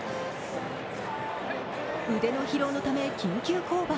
腕の疲労のため緊急降板。